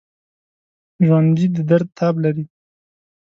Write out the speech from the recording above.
ژوندي د درد تاب لري